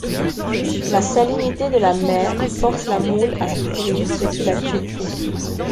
La salinité de la mer force la moule à s'ouvrir ce qui la tue.